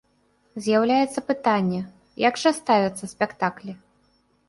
З'яўляецца пытанне, як жа ставяцца спектаклі?